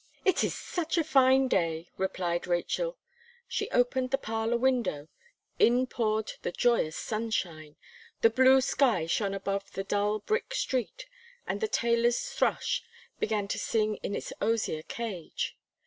"It is such a fine day," replied Rachel; she opened the parlour window; in poured the joyous sunshine the blue sky shone above the dull brick street, and the tailor's thrush began to sing in its osier cage.